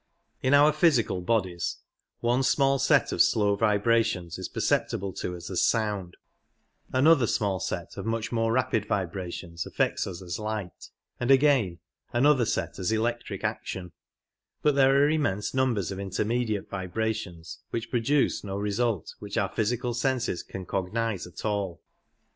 In our physical bodies one small set of slow vibrations is perceptible to us as sound ; another small set of much more rapid vibrations affects us as light ; and 88 again another set as electric action : but there are immense numbers of intermediate vibrations which produce no result which our physical senses can cognize at all.